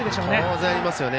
当然ありますよね。